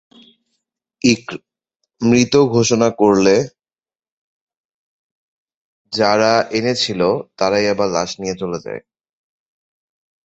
মৃত ঘোষণা করলে যারা এনেছিল তারাই আবার লাশ নিয়ে চলে যায়।